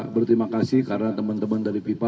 berterima kasih karena teman teman dari fifa